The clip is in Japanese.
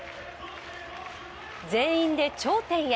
全員で頂点へ。